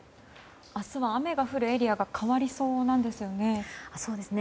明日は雨が降るエリアが変わりそうなんですよね。